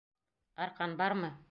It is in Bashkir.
Арҡан бармы?